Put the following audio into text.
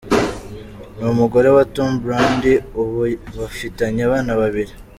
Ni umugore wa Tom Brady, ubu bafitanye abana babiri.